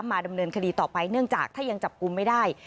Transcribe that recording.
ดำเนินคดีต่อไปเนื่องจากถ้ายังจับกลุ่มไม่ได้